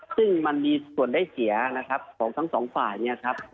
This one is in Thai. คือมันมีส่วนได้เสียของทั้งสองฝ่าย